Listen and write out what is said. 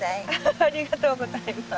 ありがとうございます。